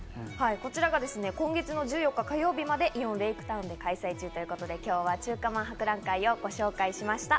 こちらが今月の１４日火曜日までイオンレイクタウンで開催中ということで、今日は中華まん博覧会をご紹介しました。